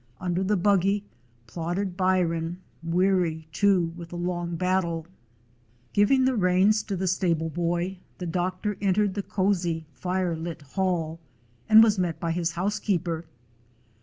Under the buggy plodded Byron, weary, too, with the long battle. Giving the reins to the stable boy, the doc tor entered the cozy, fire lit hall, and was met by his housekeeper.